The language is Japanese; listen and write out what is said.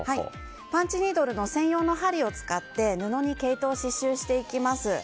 パンチニードルの専用の針を使って布に毛糸を刺しゅうしていきます。